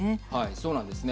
そうなんですね。